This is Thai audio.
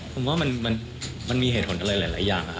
ผมว่ามันมีเหตุผลอะไรหลายอย่าง